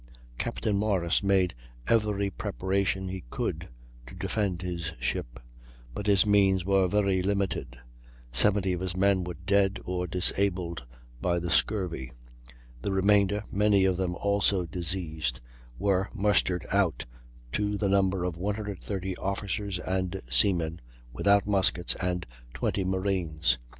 Captain Morris made every preparation he could to defend his ship, but his means were very limited; seventy of his men were dead or disabled by the scurvy; the remainder, many of them also diseased, were mustered out, to the number of 130 officers and seamen (without muskets) and 20 marines.